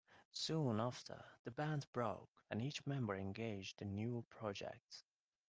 Soon after, the band broke, and each member engaged in new projects.